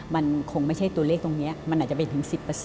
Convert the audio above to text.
มันคงไม่ใช่ตัวเลขตรงนี้มันอาจจะไปถึง๑๐